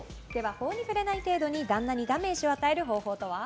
法に触れない程度に旦那にダメージを与える方法とは？